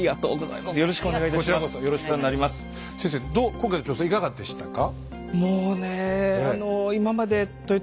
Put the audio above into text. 今回の調査いかがでしたか？